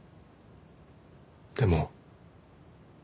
でも。